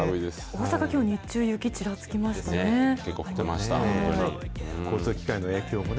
大阪、きょう日中雪、ちらつきましたね。